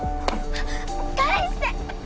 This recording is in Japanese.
返して！